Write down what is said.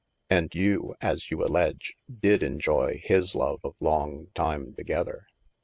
And you (as you alledge) did enjoy his love of long time to gether.